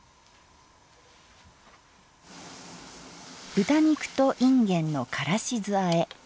「豚肉といんげんのからし酢あえ」。